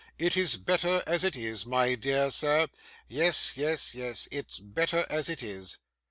It is better as it is, my dear sir. Yes, yes, yes, it's better as it is.